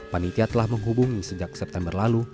panitia telah menghubungi sejak september lalu